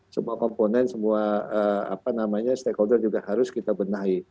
semua komponen semua stakeholder juga harus kita benahi